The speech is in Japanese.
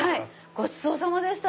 ごちそうさまでした。